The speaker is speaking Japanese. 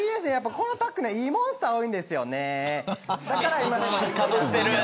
このパックいいモンスター多いんですよね。